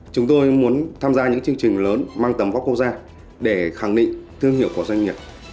chúng tôi muốn tham gia những chương trình lớn mang tầm góc quốc gia để khẳng định thương hiệu của doanh nghiệp